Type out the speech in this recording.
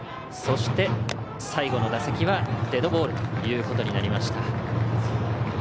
そして、最後の打席はデッドボールということになりました。